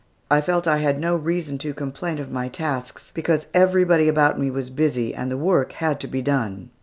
I felt that I had no reason to complain of my tasks, because everybody about me was busy, and the work had to be done.